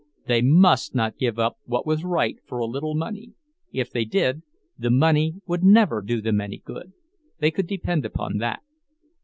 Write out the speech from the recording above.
They must not give up what was right for a little money—if they did, the money would never do them any good, they could depend upon that.